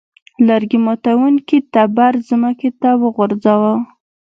لرګي ماتوونکي تبر ځمکې ته وغورځاوه.